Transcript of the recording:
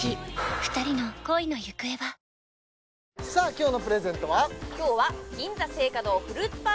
今日のプレゼントは？